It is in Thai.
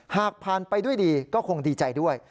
หากผ่านไปด้วยดีก็คงดีใจด้วย